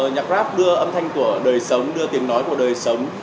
nhạc grab đưa âm thanh của đời sống đưa tiếng nói của đời sống